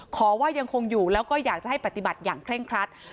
ว่ายังคงอยู่แล้วก็อยากจะให้ปฏิบัติอย่างเร่งครัด